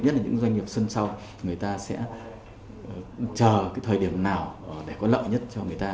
nhất là những doanh nghiệp sân sau người ta sẽ chờ cái thời điểm nào để có lợi nhất cho người ta